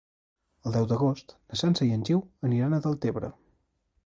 El deu d'agost na Sança i en Guiu aniran a Deltebre.